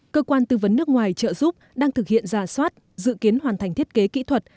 cơ quan tư vấn nước ngoài trợ giúp đang thực hiện giả soát dự kiến hoàn thành thiết kế kỹ thuật